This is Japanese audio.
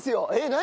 何？